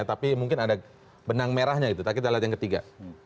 tapi mungkin ada benang merahnya itu kita lihat yang ketiga